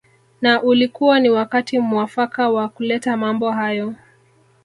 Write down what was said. Na ulikuwa ni wakati muafaka wa kuleta mambo hayo